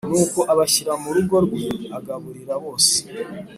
Nuko abashyira mu rugo rwe agaburira bose